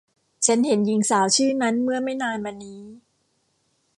ฉันเห็นหญิงสาวชื่อนั้นเมื่อไม่นานมานี้